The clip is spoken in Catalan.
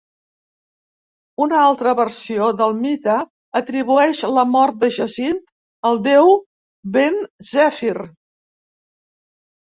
Una altra versió del mite atribueix la mort de Jacint al déu vent Zèfir.